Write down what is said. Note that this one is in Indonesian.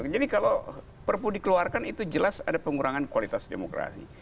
jadi kalau perpu dikeluarkan itu jelas ada pengurangan kualitas demokrasi